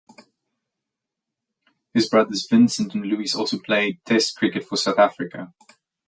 His brothers, Vincent and Louis, also played Test cricket for South Africa.